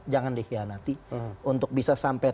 jangan dikhianati untuk bisa sampai